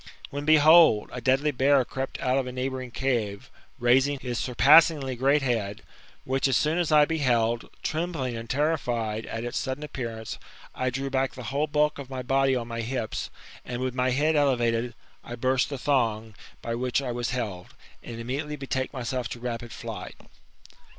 When, behold, a deadly heai crept out of a neighbouring cave, raising his surpassingly great head ; which as soon as I beheld, trembling and terrified at its sudden appearance, I drew back the whole bulk of my body on my hips, and with my head elevated, I burst the thong by which I was held, and immediately betook myself to rapid flight.